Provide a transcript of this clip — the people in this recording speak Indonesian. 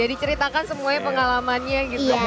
jadi ceritakan semuanya pengalamannya gitu